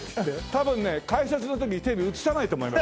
多分ね解説の時テレビ映さないと思います。